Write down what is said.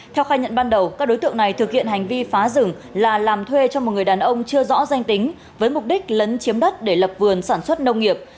theo khai nhận ban đầu các đối tượng này thực hiện hành vi phá rừng là làm thuê cho một người đàn ông chưa rõ danh tính với mục đích lấn chiếm đất để lập vườn sản xuất nông nghiệp